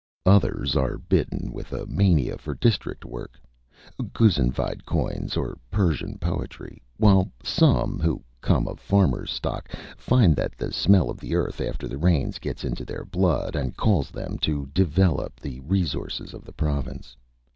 Others are bitten with a mania for District work, Ghuznivide coins or Persian poetry; while some, who come of farmers' stock, find that the smell of the Earth after the Rains gets into their blood, and calls them to "develop the resources of the Province."